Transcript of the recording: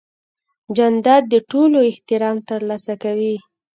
جانداد د ټولو احترام ترلاسه کوي.